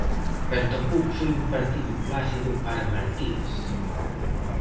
Pero tampouco foi un partido plácido para Martínez.